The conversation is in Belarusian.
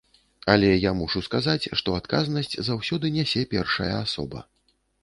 Але я мушу сказаць, што адказнасць заўсёды нясе першая асоба.